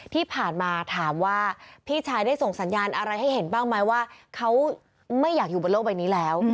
ที่ผ่านมาถามว่าพี่ชายได้ส่งสัญญาณอะไรให้เห็นบ้างไหมว่าเขาไม่อยากอยู่บนโลกใบนี้แล้ว